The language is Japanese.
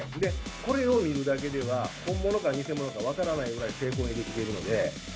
これを見るだけでは、本物か偽物か分からないぐらい精巧にできているので。